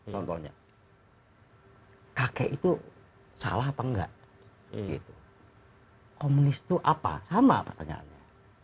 contohnya kakek itu salah apa enggak komunis itu apa sama pertanyaannya